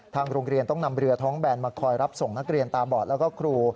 โรงเรียนต้องนำเรือท้องแบนมาคอยรับส่งนักเรียนตาบอดแล้วก็ครู